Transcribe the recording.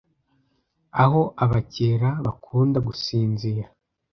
aho abakera bakunda gusinzira